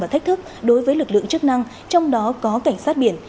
và thách thức đối với lực lượng chức năng trong đó có cảnh sát biển